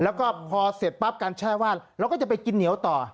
แล้วก็พอเสร็จปั๊บการแช่ว่านเราก็จะไปกินเหนียวต่อ